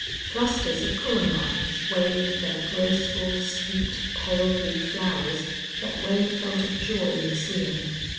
Clusters of columbines waved their graceful, sweet, pale blue flowers that Wade felt a joy in seeing.